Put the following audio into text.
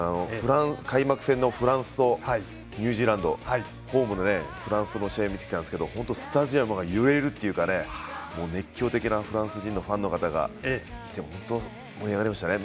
開幕戦のフランスとニュージーランドホームのフランスの試合見てきたんですけど本当にスタジアムが揺れるというか熱狂的なフランスのファンの方がいて本当、盛り上がりましたね。